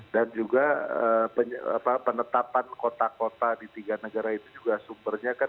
dan juga penetapan kota kota di tiga negara itu juga sumbernya kan